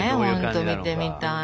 本当見てみたい。